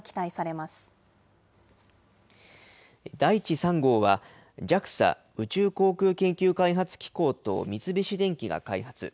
いち３号は、ＪＡＸＡ・宇宙航空研究開発機構と三菱電機が開発。